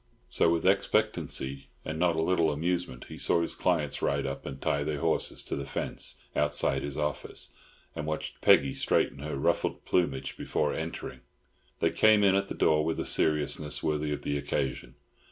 So with expectancy and not a little amusement he saw his clients ride up and tie their horses to the fence outside his office, and watched Peggy straighten her ruffled plumage before entering. They came in at the door with a seriousness worthy of the occasion.